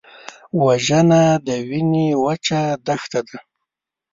وژنه د وینې وچه دښته ده